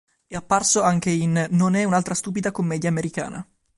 È apparso anche in "Non è un'altra stupida commedia americana".